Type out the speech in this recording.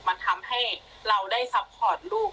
มันทำให้เราได้ซัพพอร์ตลูก